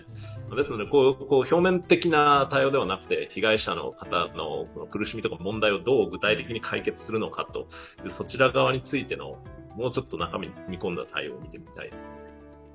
ですので表面的な対応ではなくて被害者の方の苦しみとか問題をどう具体的に解決するのか、そちら側についてのもうちょっと中身に踏み込んだ対応を見てみたいですね。